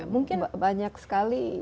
mungkin banyak sekali